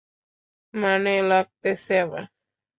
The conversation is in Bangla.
মানে লাগতেছে আবার?